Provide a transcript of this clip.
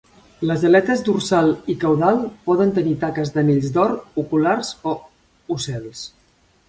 Les aletes dorsal i caudal poden tenir taques d'anells d'or oculars o ocels.